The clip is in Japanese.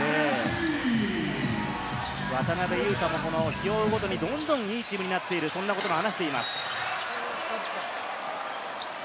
渡邊雄太も日を追うごとにどんどんいいチームになっていると話しています。